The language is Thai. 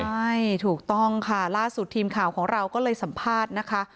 ใช่ถูกต้องค่ะล่าสุดทีมข่าวของเราก็เลยสัมภาษณ์นะคะ